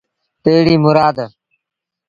تيڙيٚ مُرآد